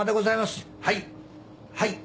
はい。